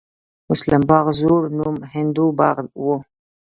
مسلم باغ زوړ نوم هندو باغ و